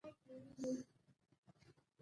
څلور لسیزې پخوا به ملا ویل چې تحمل د خدای امر دی.